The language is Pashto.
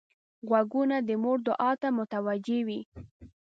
غوږونه د مور دعا ته متوجه وي